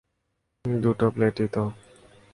দুটা প্লেটই তো!